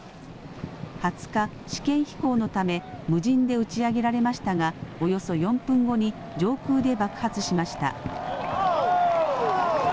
２０日、試験飛行のため無人で打ち上げられましたがおよそ４分後に上空で爆発しました。